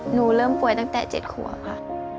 หนูเริ่มป่วยตั้งแต่๗ครัวค่ะ